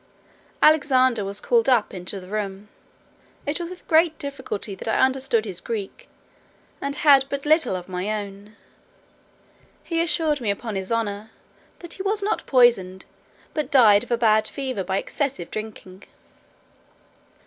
Alexander was called up into the room: it was with great difficulty that I understood his Greek, and had but little of my own. He assured me upon his honour "that he was not poisoned, but died of a bad fever by excessive drinking."